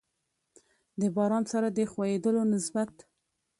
د باران سره د خوييدلو نسبت